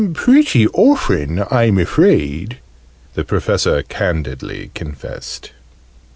"Pretty often, I'm afraid," the Professor candidly confessed.